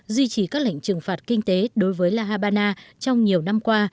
duy trì các lệnh trừng phạt kinh tế đối với la habana trong nhiều năm qua